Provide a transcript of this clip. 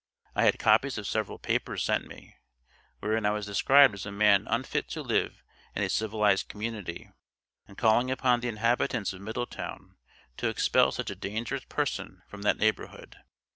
I had copies of several papers sent me, wherein I was described as a man unfit to live in a civilized community, and calling upon the inhabitants of Middletown to expel such a dangerous person from that neighborhood!